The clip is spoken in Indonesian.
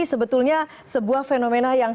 sebetulnya sebuah fenomena yang